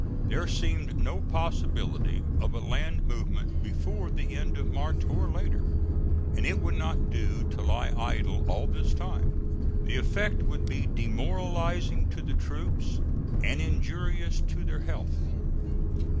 There seemed no possibility of a land movement before the end of March or later, and it would not do to lie idle all this time. The effect would be demoralizing to the troops and injurious to their health.